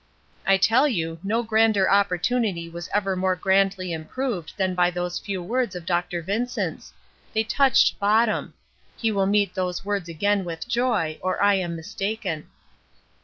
"I tell you, no grander opportunity was ever more grandly improved than by those few words of Dr. Vincent's. They touched bottom. He will meet those words again with joy, or I am mistaken."